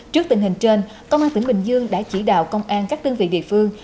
trước tình hình trên công an tỉnh bình dương đã chỉ đạo công an các đơn vị địa phương